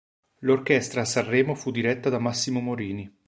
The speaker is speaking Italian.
L'orchestra a Sanremo fu diretta da Massimo Morini.